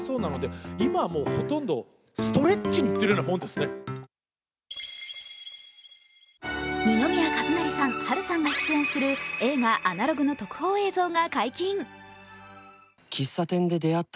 しかし二宮和也さん、波瑠さんが出演する映画「アナログ」の特報映像が解禁。